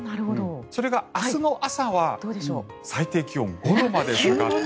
それが明日の朝は最低気温５度まで下がって。